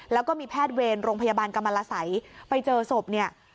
แล้วก็มีแพทย์เวรโรงพยาบาลกรรมละสัยไปเจอศพเนี่ย